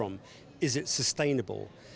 apakah itu berhasil